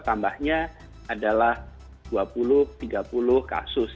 tambahnya adalah dua puluh tiga puluh kasus